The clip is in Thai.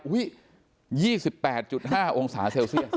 อุ้ย๒๘๕องศาเซลเซีย